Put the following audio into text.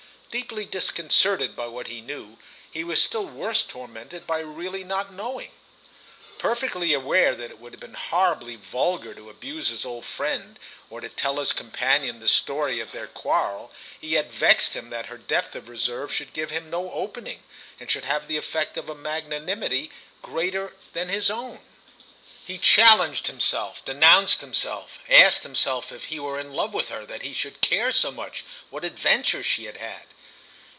Deeply disconcerted by what he knew, he was still worse tormented by really not knowing. Perfectly aware that it would have been horribly vulgar to abuse his old friend or to tell his companion the story of their quarrel, it yet vexed him that her depth of reserve should give him no opening and should have the effect of a magnanimity greater even than his own. He challenged himself, denounced himself, asked himself if he were in love with her that he should care so much what adventures she had had.